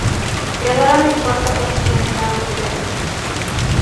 Quedaron en cuarta posición en ambos eventos.